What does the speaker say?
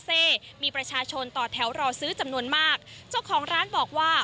มีประชาชนต่อแถวรอซื้อจำนวนมากเจ้าของร้านบอกว่า